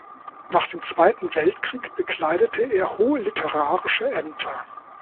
Nach dem Zweiten Weltkrieg bekleidete er hohe literarische Ämter.